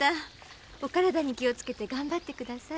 お体に気をつけて頑張ってください。